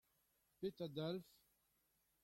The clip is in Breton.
Petra a dalv ?